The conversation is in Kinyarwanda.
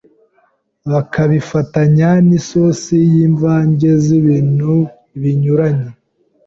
bakabifatanya n’isosi y’imvange z’ibintu binyuranye.